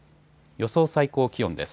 予想最高気温です。